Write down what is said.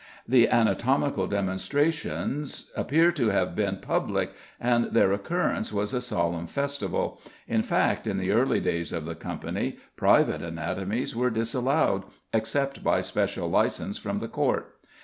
The anatomical demonstrations appear to have been public, and their occurrence was a solemn festival in fact, in the early days of the Company "private anatomies" were disallowed, except by special licence from the court.